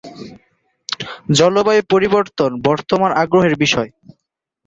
জলবায়ু পরিবর্তন বর্তমান আগ্রহের বিষয়।